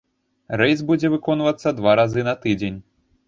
Рэйс будзе выконвацца два разы на тыдзень.